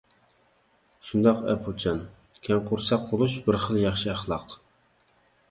شۇنداق ئەپۇچان، كەڭ قورساق بولۇش بىر خىل ياخشى ئەخلاق.